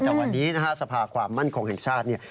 แต่วันนี้สภาความมั่นคงแห่งชาติ